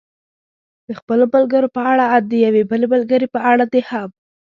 د خپلو ملګرو په اړه، ان د یوې بلې ملګرې په اړه دې هم.